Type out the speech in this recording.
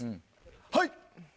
はい！